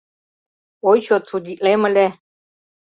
Ой чот судитлем ыле.